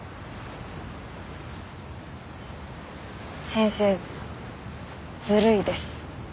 先生ずるいです